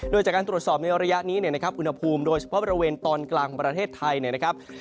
โดยจากการตรวจสอบในระยะนี้เนี่ยนะครับอุณหภูมิโดยเฉพาะบริเวณตอนกลางของประเทศไทยเนี่ยนะครับ